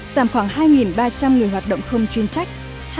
giảm khoảng hai ba trăm linh người hoạt động không chuyên trách